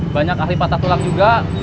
banyak ahli patah tulang juga